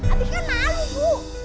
abi kan malu bu